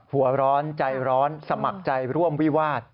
หัวร้อนใจร้อนสมัครใจร่วมวิวาส